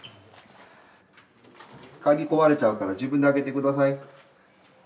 鍵壊れちゃうから自分であけて下さい。